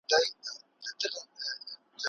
د ګرګین عسکرو ته دروند شکست ورکړل شو.